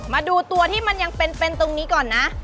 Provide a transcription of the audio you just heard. มาดูตัวที่มันยังเป็นตรงนี้ก่อนนะ